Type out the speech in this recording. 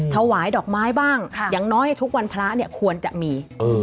ถวายดอกไม้บ้างอย่างน้อยทุกวันพระเนี่ยควรจะมี